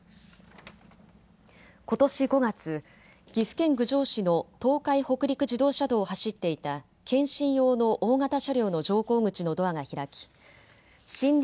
ことし５月、岐阜県郡上市の東海北陸自動車道を走っていた検診用の大型車両の乗降口のドアが開き診療